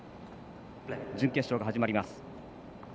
準決勝が始まります。